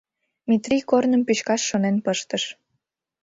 Метрий корным пӱчкаш шонен пыштыш.